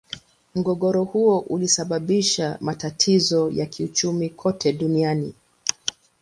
Mgogoro huo ulisababisha matatizo ya kiuchumi kote duniani.